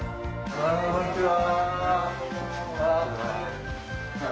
こんにちは。